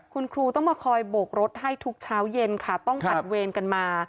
คุณครูต้องมาคอยโบกรถให้ทุกเช้าเย็นค่ะต้องตัดเวรกันมา